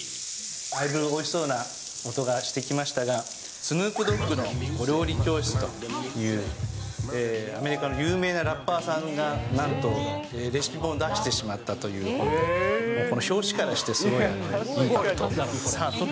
だいぶおいしそうな音がしてきましたが、スヌープ・ドッグのお料理教室という、アメリカの有名なラッパーさんが、なんとレシピ本を出してしまったという本で、この表紙からしてすごいインパクト。